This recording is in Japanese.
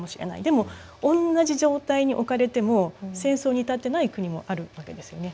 でもおんなじ状態に置かれても戦争に至ってない国もあるわけですよね。